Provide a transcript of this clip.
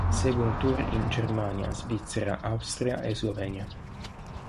Segue un tour in Germania, Svizzera, Austria e Slovenia.